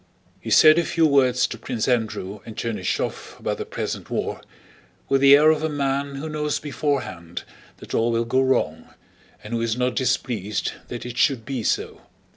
He said a few words to Prince Andrew and Chernýshev about the present war, with the air of a man who knows beforehand that all will go wrong, and who is not displeased that it should be so.